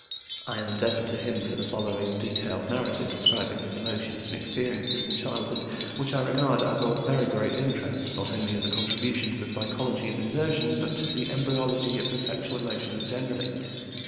I am indebted to him for the following detailed narrative, describing his emotions and experiences in childhood, which I regard as of very great interest, not only as a contribution to the psychology of inversion, but to the embryology of the sexual emotions generally.